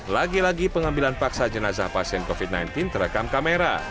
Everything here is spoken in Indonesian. lagi lagi pengambilan paksa jenazah pasien covid sembilan belas terekam kamera